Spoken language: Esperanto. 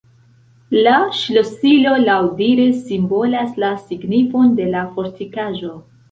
La ŝlosilo laŭdire simbolas la signifon de la fortikaĵo.